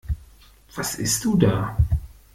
Was isst du da?